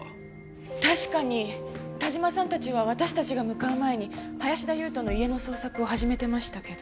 確かに但馬さんたちは私たちが向かう前に林田悠斗の家の捜索を始めてましたけど。